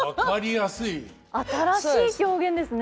新しい狂言ですね。